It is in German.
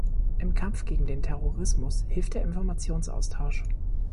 Im Kampf gegen den Terrorismus hilft der Informationsaustausch.